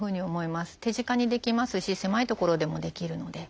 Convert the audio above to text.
手近にできますし狭い所でもできるので。